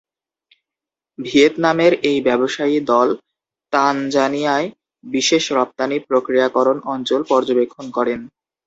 ভিয়েতনামের এই ব্যবসায়ী দল তানজানিয়ার বিশেষ রপ্তানি প্রক্রিয়াকরণ অঞ্চল পর্যবেক্ষণ করেন।